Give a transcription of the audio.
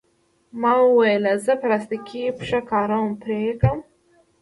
ما وویل: زه پلاستیکي پښه کاروم، پرې یې کړئ.